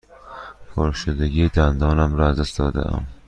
پرشدگی دندانم را از دست داده ام.